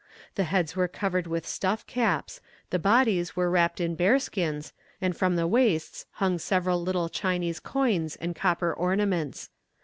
The heads were covered with stuff caps, the bodies were wrapped in bearskins, and from the waists hung several little Chinese coins and copper ornaments.